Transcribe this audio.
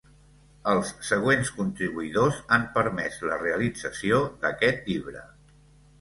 Els següents contribuïdors han permès la realització d'aquest llibre.